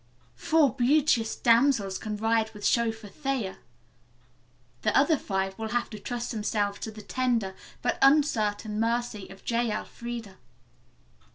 "Four beauteous damsels can ride with Chauffeur Thayer, the other five will have to trust themselves to the tender, but uncertain, mercy of J. Elfreda."